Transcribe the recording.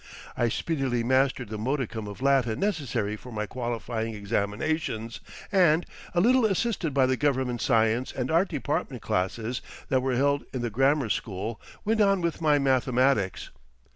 I speedily mastered the modicum of Latin necessary for my qualifying examinations, and—a little assisted by the Government Science and Art Department classes that were held in the Grammar School—went on with my mathematics.